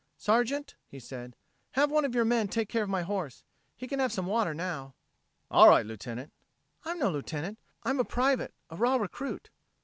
"Sergeant," he said, "have one of your men take care of my horse. He can have some water now." "All right, Lieutenant." "I'm no Lieutenant I'm a private, a raw recruit."